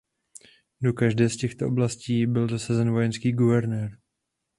Do každé z těchto oblastí byl dosazen vojenský guvernér.